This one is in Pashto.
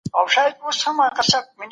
محافظه کار محصلین د بدلون مخالفت کوي.